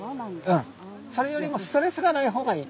それよりもストレスがない方がいい。